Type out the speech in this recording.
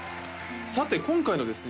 さて今回のですね